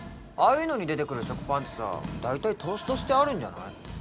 あいうのに出てくる食パンってさ大体トーストしてあるんじゃない？